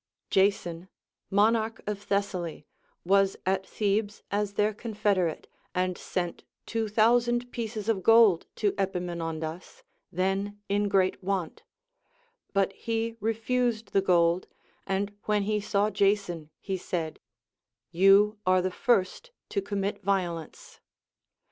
Jason, monarch of Thessaly, was at Thebes as their confederate, and sent two thousand pieces of gold to Epaminondas, then in great Avant ; but he refused the gold, and when he saw Jason, he said : You are the first to commit violence.